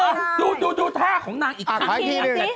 มายุบัตินี่ดูท่าของนางอีกครั้ง